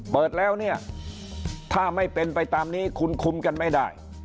เปิดแล้วเนี่ยถ้าไม่เป็นไปตามนี้คุณคุมกันไม่ได้